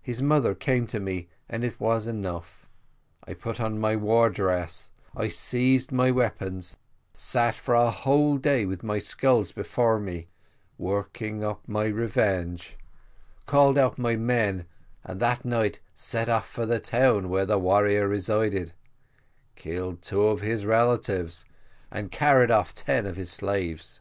His mother came to me, and it was enough. I put on my war dress, I seized my weapons, sat for a whole day with my skulls before me, working up my revenge, called out my men, and that night set off for the town where the warrior resided, killed two of his relatives and carried off ten of his slaves.